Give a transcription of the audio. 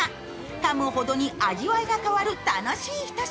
かむほどに味わいが変わる楽しい、ひと品。